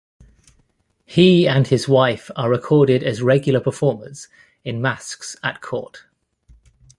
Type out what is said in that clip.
He and his wife are recorded as regular performers in masques at court.